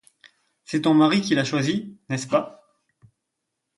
C’est ton mari qui l’a choisi, n’est-ce pas ?